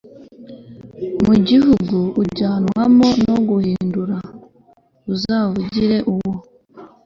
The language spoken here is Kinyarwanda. mu gihugu ujyanwamo no guhind ra uzavugire uwo